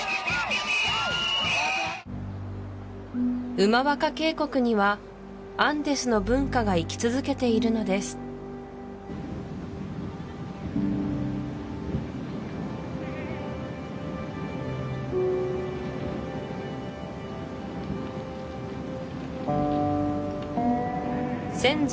ウマワカ渓谷にはアンデスの文化が生き続けているのです先祖